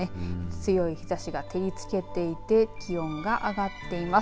強い日ざしが照りつけていて気温が上がっています。